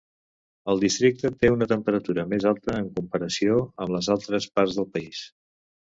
El districte té una temperatura més alta en comparació amb les altres parts del país.